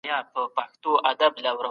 شپږ عدد دئ.